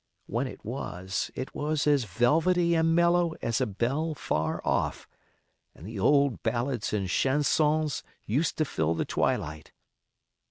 When it was, it was as velvety and mellow as a bell far off, and the old ballads and chansons used to fill the twilight.